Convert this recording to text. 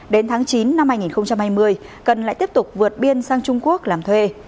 đến tháng chín năm hai nghìn hai mươi cần lại tiếp tục vượt biên sang trung quốc làm thuê